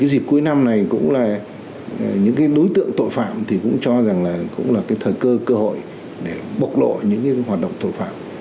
dịp cuối năm này những đối tượng tội phạm cũng cho rằng là thời cơ cơ hội để bộc độ những hoạt động tội phạm